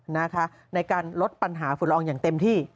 ในการลดปัญหาฝุ่นละอองอย่างเต็มที่